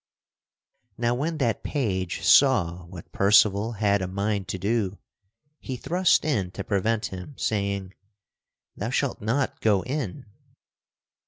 Now when that page saw what Percival had a mind to do, he thrust in to prevent him, saying, "Thou shalt not go in!"